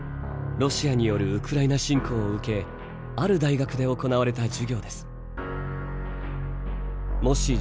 ロシアによるウクライナ侵攻を受けある大学で行われた授業です。